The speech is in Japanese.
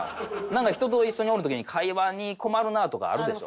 なんか人と一緒におる時に会話に困るなとかあるでしょ？